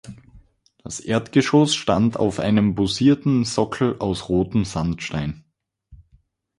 Das Erdgeschoss stand auf einem bossierten Sockel aus rotem Sandstein.